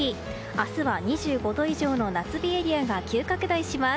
明日は２５度以上の夏日エリアが急拡大します。